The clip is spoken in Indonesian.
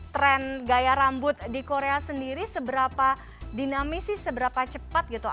tren gaya rambut di korea sendiri seberapa dinamis sih seberapa cepat gitu